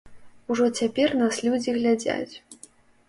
Ужо цяпер нас людзі глядзяць.